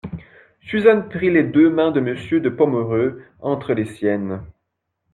Suzanne prit les deux mains de Monsieur de Pomereux entre les siennes.